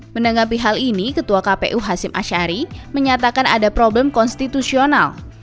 menanggapi hal ini ketua kpu hasim ashari menyatakan ada problem konstitusional